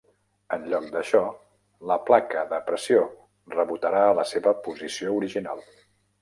En lloc d'això, la placa de pressió rebotarà a la seva posició original.